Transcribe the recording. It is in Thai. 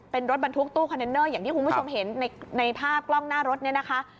เป็นรถบรรทุกตู้คอนเทนเนอร์อย่างที่คุณผู้ชมเห็นในภาพกล้องหน้ารถเนี่ยนะคะ